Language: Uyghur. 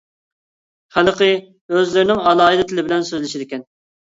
خەلقى ئۆزلىرىنىڭ ئالاھىدە تىلى بىلەن سۆزلىشىدىكەن.